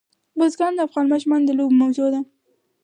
بزګان د افغان ماشومانو د لوبو موضوع ده.